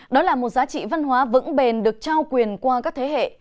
đó là một giá trị văn hóa vững bền được trao quyền qua các thế hệ